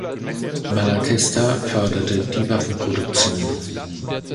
Malatesta förderte die Waffenproduktion.